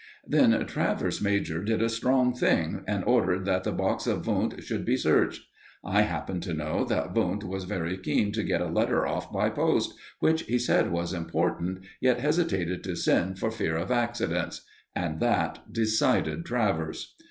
Then Travers major did a strong thing, and ordered that the box of Wundt should be searched. I happened to know that Wundt was very keen to get a letter off by post, which he said was important, yet hesitated to send for fear of accidents; and that decided Travers.